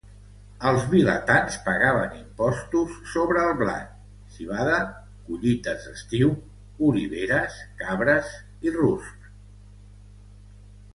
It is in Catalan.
Els vilatans pagaven impostos sobre el blat, civada, collites d'estiu, oliveres, cabres i ruscs.